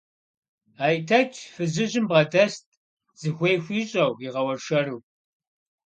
Айтэч фызыжьым бгъэдэст, зыхуей хуищӀэу, игъэуэршэру.